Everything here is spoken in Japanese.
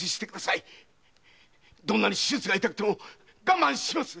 どんなに手術が痛くても我慢します！